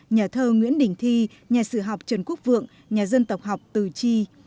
nhà thơ nguyễn đình thi nhà sử học trần quốc vượng nhà dân tộc học từ chi